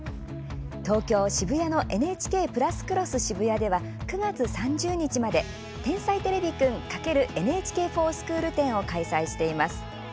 東京・渋谷のＮＨＫプラスクロスＳＨＩＢＵＹＡでは９月３０日まで「天才てれびくん×ＮＨＫｆｏｒＳｃｈｏｏｌ展」を開催しています。